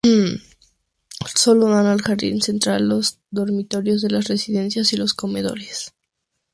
Solo dan al jardín central los dormitorios de las residencias y los comedores.